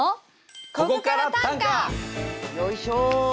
よいしょ！